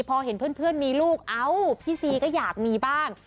พอเห็นเพื่อนมีลูกเอ้าพี่ซีก็อยากมีบ้าง